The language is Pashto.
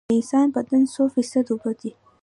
د انسان بدن څو فیصده اوبه دي؟